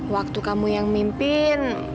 waktu kamu yang mimpin